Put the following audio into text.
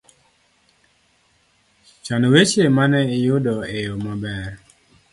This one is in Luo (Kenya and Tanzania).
Chan weche mane iyudo e yo maber